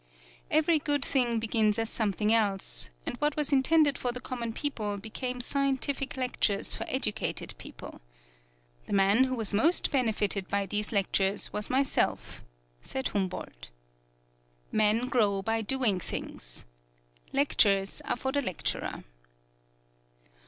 Every good thing begins as something else, and what was intended for the common people became scientific lectures for educated people. "The man who was most benefited by these lectures was myself," said Humboldt. Men grow by doing things. Lectures are for the lecturer.